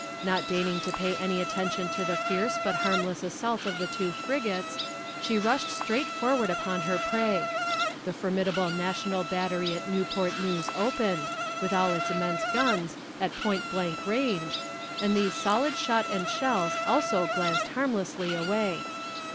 Not deigning to pay any attention to the fierce but harmless assault of the two frigates, she rushed straight forward upon her prey. The formidable national battery at Newport News opened, with all its immense guns, at point blank range, and these solid shot and shells also glanced harmlessly away.